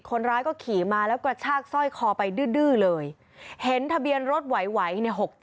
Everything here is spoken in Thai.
คนร้ายก็ขี่มาแล้วกระชากสร้อยคอไปดื้อเลยเห็นทะเบียนรถไหวเนี่ย๖๗